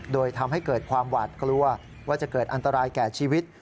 โดยทำให้เกิดความหวาดกลัวว่าจะเกิดอันตรายแก่ชีวิต